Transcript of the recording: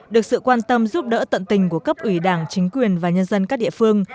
được sự quan tâm giúp đỡ tận tình của cấp ủy đảng chính quyền và nhân dân các địa phương